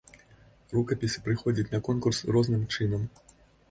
Рукапісы прыходзяць на конкурс розным чынам.